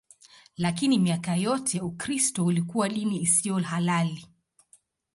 Lakini miaka yote Ukristo ulikuwa dini isiyo halali.